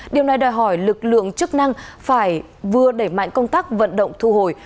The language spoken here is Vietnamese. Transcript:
điều này đòi hỏi lực lượng chức năng phải vừa đẩy mạnh công tác vận động thu hồi